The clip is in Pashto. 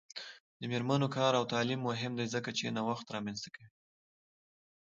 د میرمنو کار او تعلیم مهم دی ځکه چې نوښت رامنځته کوي.